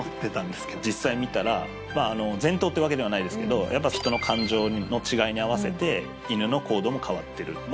実際見たらまああの全頭ってわけではないですけどやっぱり人の感情の違いに合わせて犬の行動も変わってるま